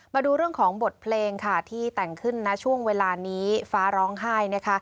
มาดูเรื่องของบทเพลงค่ะที่แต่งขึ้นณช่วงเวลานี้ฟ้าร้องไห้นะคะ